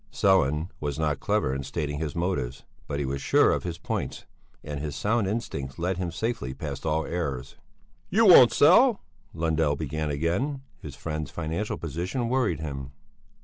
Sellén was not clever in stating his motives, but he was sure of his points and his sound instincts led him safely past all errors. "You won't sell," Lundell began again; his friend's financial position worried him.